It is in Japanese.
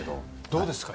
どうですか？